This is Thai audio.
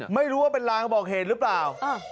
ไม่รู้ว่าเป็นลางบอกเหตุหรือเปล่า